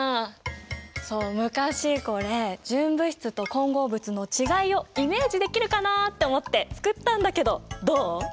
そう昔これ純物質と混合物の違いをイメージできるかなと思って作ったんだけどどう？